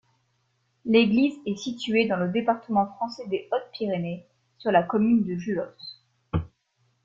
L'église est située dans le département français des Hautes-Pyrénées, sur la commune de Julos.